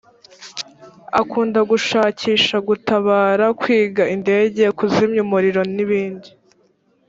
akunda gushakisha gutabara kwiga indege kuzimya umuriro n’ibindi